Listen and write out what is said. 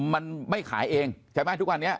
มันไม่ขายเองใช่ไหมทุกวันนี้